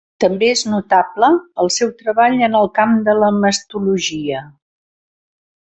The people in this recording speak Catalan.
També és notable el seu treball en el camp de la mastologia.